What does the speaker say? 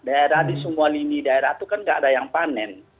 daerah di semua lini daerah itu kan nggak ada yang panen